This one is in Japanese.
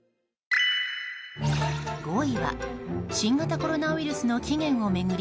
５位は新型コロナウイルスの起源を巡り